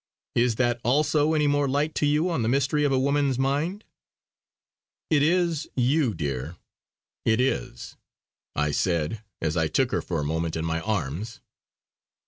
Is that also any more light to you on the mystery of a woman's mind?" "It is, you dear! it is!" I said as I took her for a moment in my arms.